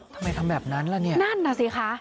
ทำไมทำแบบนั้นล่ะเนี่ยนั่นน่ะสิคะ